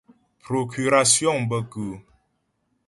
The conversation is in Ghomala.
Procurasyɔŋ bə kʉ́ʉ́ ?